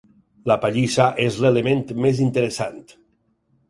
La pallissa és l'element més interessant.